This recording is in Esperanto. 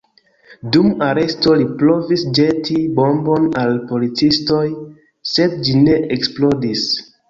Dum aresto li provis ĵeti bombon al policistoj, sed ĝi ne eksplodis.